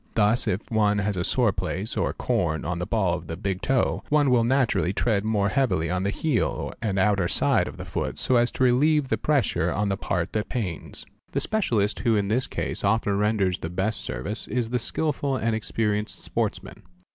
Thus if one has a sore | place or corn on the ball of the big toe, one will naturally tread more ' heavily on the heel and outer side of the foot so as to relieve the pressure on the part that pains. | The specialist who in this case often renders the best service is the skilful and experienced sportsman.